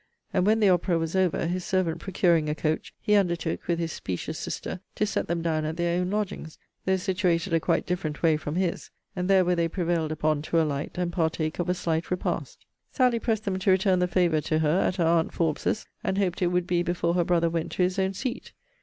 And, when the opera was over, his servant procuring a coach, he undertook, with his specious sister, to set them down at their own lodgings, though situated a quite different way from his: and there were they prevailed upon to alight, and partake of a slight repast. Sally pressed them to return the favour to her at her aunt Forbes's, and hoped it would be before her brother went to his own seat.